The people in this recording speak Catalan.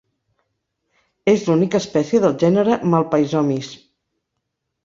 És l'única espècie del gènere Malpaisomys.